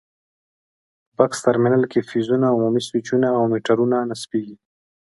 په بکس ترمینل کې فیوزونه، عمومي سویچونه او میټرونه نصبېږي.